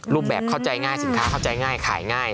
รูปแบบสินค้าเข้าใจง่ายขายง่าย